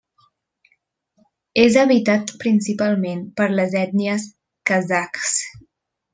És habitat principalment per les ètnies kazakhs.